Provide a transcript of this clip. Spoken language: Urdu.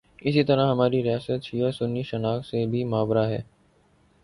اسی طرح ہماری ریاست شیعہ سنی شناخت سے بھی ماورا ہے۔